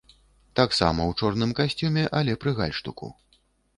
Таксама ў чорным касцюме, але пры гальштуку.